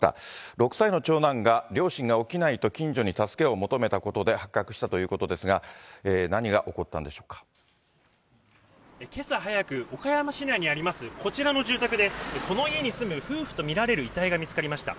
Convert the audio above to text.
６歳の長男が両親が起きないと近所に助けを求めたことで発覚したということですが、けさ早く、岡山市内にあります、こちらの住宅で、この家に住む夫婦と見られる遺体が見つかりました。